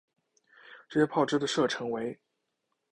这些炮支的射程为。